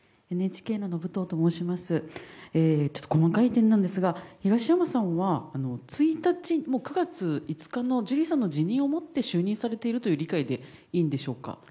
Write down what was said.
細かい点なんですが東山さんは９月５日のジュリーさんの辞任をもって就任されているという理解でいいんでしょうか？